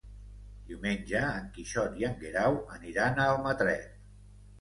Diumenge en Quixot i en Guerau aniran a Almatret.